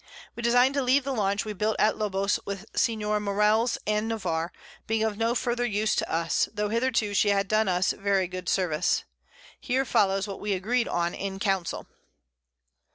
We design to leave the Launch we built at Lobos with Sen. Morells and Navarre, being of no farther use to us, tho' hitherto she had done us very good Service. Here follows what we agreed on in Council.